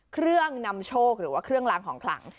เครื่องนำโชคหรือว่าเครื่องล้างของขลัง